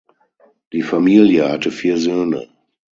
Die Familie hatte vier Söhne.